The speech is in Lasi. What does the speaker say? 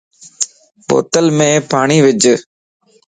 بوتلم پاڻين وج